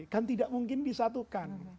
kan tidak mungkin disatukan